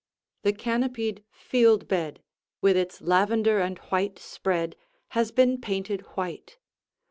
The canopied Field bed, with its lavender and white spread, has been painted white.